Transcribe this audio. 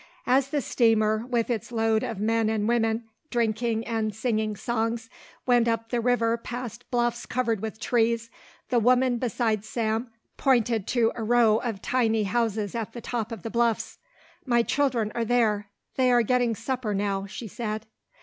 As the steamer, with its load of men and women drinking and singing songs, went up the river past bluffs covered with trees, the woman beside Sam pointed to a row of tiny houses at the top of the bluffs. "My children are there. They are getting supper now," she said.